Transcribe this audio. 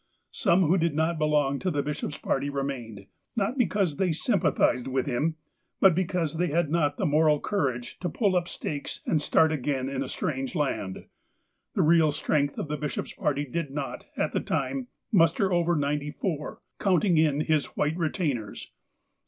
Some who did not belong to the bishop's party remained, not be cause they sympathized with him, but because they had not the moral courage to pull up stakes and start again in a strange land. The real strength of the bishop's party did not, at the time, muster over ninety four, counting in his white re tainers.